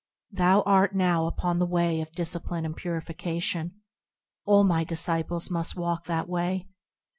Thou art now upon the way of discipline and purification ; All my disciples must walk that way.